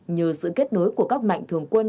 nhờ sự kết nối của các mạnh thường quân